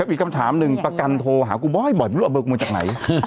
อีกคำถามหนึ่งประกันโทรหากูบ่อยไม่รู้เอาเบอร์กูจากไหน